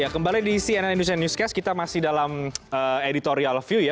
kembali di cnn indonesia newscast kita masih dalam editorial view ya